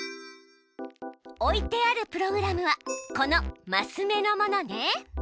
置いてあるプログラムはこのマス目のものね。